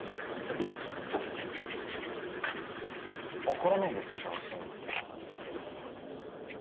怒らないで聞いてほしいんだけど。